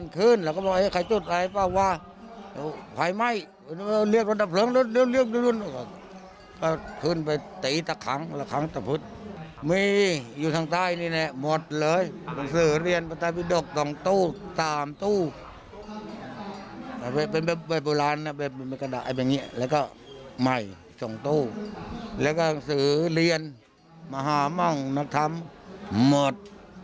ก็ใหม่สองตู้แล้วก็สื่อเรียนมหาม่องนักธรรมหมด